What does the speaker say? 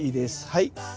はい。